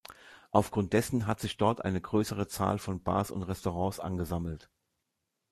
Aufgrund dessen hat sich dort eine größere Zahl von Bars und Restaurants angesammelt.